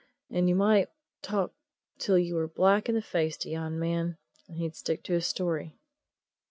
"And you might talk till you were black in the face to yon man, and he'd stick to his story."